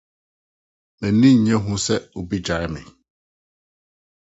M'ani nnye ho sɛ wobegyae me.